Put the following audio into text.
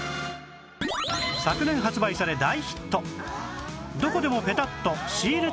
昨年発売され大ヒット